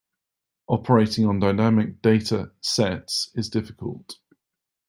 Operating on dynamic data sets is difficult.